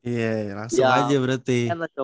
iya langsung aja berarti